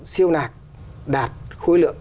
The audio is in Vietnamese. siêu nạc đạt khối lượng